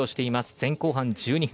前後半１２分。